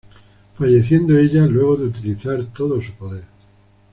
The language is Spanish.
Falleciendo ella luego de utilizar todo su poder.